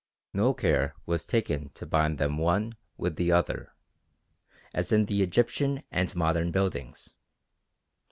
No care was taken to "bind" them one with the other as in the Egyptian and modern buildings.